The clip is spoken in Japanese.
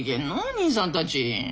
兄さんたち。